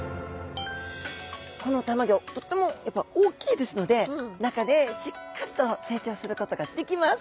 このたまギョとってもやっぱ大きいですので中でしっかりと成長することができます。